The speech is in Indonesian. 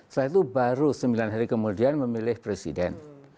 setelah itu baru sembilan hari kemudian memilih presiden